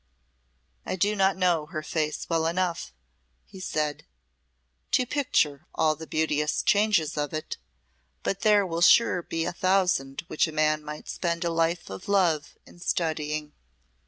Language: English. "I do not know her face well enough," he said, "to picture all the beauteous changes of it, but there will sure be a thousand which a man might spend a life of love in studying."